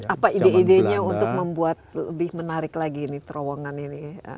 apa ide idenya untuk membuat lebih menarik lagi ini terowongan ini